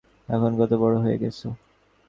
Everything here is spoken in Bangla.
এখন কত বড় হয়ে গেছ!